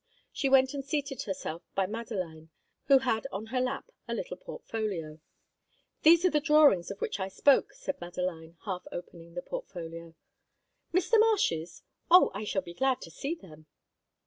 She went and seated herself by Madeline, who had on her lap a little portfolio. "These are the drawings of which I spoke," said Madeline, half opening the portfolio. "Mr. Marsh's? Oh, I shall be glad to see them!"